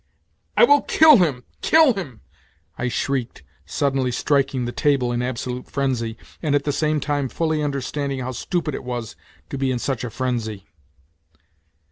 " I will kill him ! kill him !" I shrieked, suddenly striking the table in absolute frenzy, and at the same time fully understanding how stupid it was to be in such a frenzy.